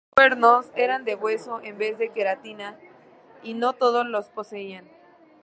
Sus cuernos eran de hueso en vez de queratina, y no todos los poseen.